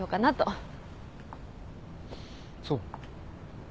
そう。